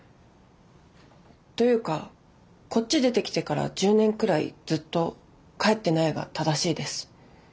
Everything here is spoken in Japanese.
というかこっち出てきてから１０年くらいずっと帰ってないが正しいです。